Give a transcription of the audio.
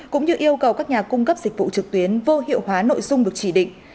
cũng như yêu cầu các nhà cung cấp dịch vụ trực tuyến vô hiệu hóa nội dung được chỉ định